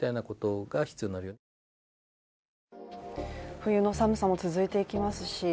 冬の寒さも続いてきますし